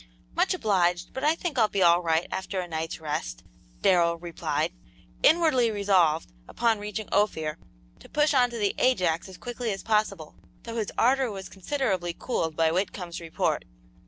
"Much obliged, but I think I'll be all right after a night's rest," Darrell replied, inwardly resolved, upon reaching Ophir, to push on to the Ajax as quickly as possible, though his ardor was considerably cooled by Whitcomb's report.